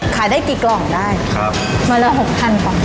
ขายได้กี่กล่องได้วันละ๖๐๐กล่อง